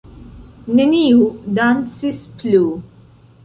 Neniu dancis plu.